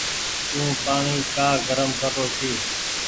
تو پآڻيٚ ڪآ گرم ڪر رو ڇي۔